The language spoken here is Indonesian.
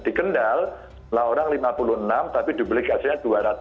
dikendal orang lima puluh enam tapi duplikasinya dua ratus tujuh puluh tujuh